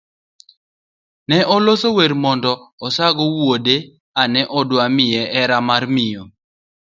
Ne oloso wer mondo osago wuode ane odwa miye hera mar miyo.